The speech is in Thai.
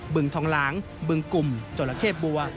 ึงทองหลางบึงกลุ่มจราเข้บัว